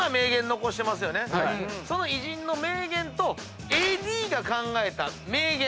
その偉人の名言とＡＤが考えた名言。